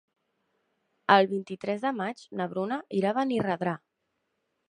El vint-i-tres de maig na Bruna irà a Benirredrà.